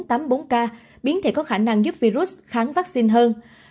e bốn trăm tám mươi bốn k biến thể có khả năng giúp virus kháng vaccine hơn